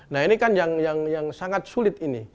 nah ini kan yang sangat sulit ini